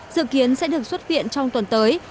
dự kiến sẽ được xuất viện trong tuần tới